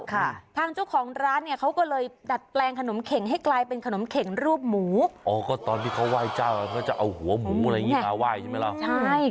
ทางเจ้าของร้านเนี่ยเขาก็เลยดัดแปลงขนมเข็งให้กลายเป็นขนมเข็งรูปหมูอ๋อก็ตอนที่เขาไหว้เจ้าก็จะเอาหัวหมูอะไรอย่างงี้มาไหว้ใช่ไหมล่ะใช่